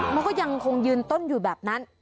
มันก็ยังคงยืนต้นอยู่แบบนั้น